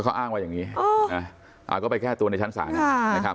เขาอ้างว่าอย่างนี้ก็ไปแก้ตัวในชั้นศาลนะครับ